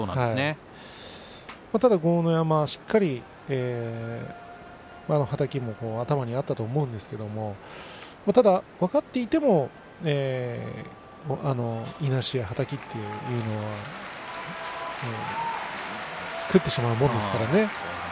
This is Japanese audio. ただ、豪ノ山がしっかりとはたきが頭にあったと思うんですけれどただ分かっていてもいなしやはたきというのは食ってしまうものですよね。